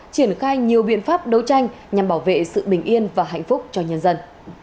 triển khai nhiều biện pháp đấu tranh nhằm bảo vệ sự bình yên và hạnh phúc cho nhân dân